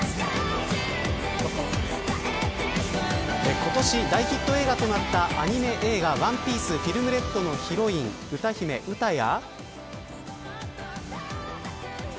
今年大ヒット映画となったアニメ映画ＯＮＥＰＩＥＣＥＦＩＬＭＲＥＤのヒロイン歌姫ウタや。